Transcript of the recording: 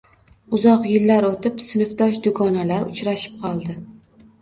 Uzoq yillar oʻtib sinfdosh dugonalar uchrashib qoldi